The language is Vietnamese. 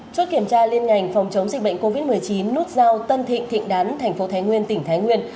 chốt kiểm tra liên ngành phòng chống dịch bệnh covid một mươi chín nút giao tân thịnh thịnh đán thành phố thái nguyên tỉnh thái nguyên